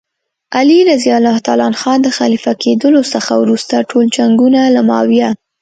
علي رض د خلیفه کېدلو څخه وروسته ټول جنګونه له معاویه.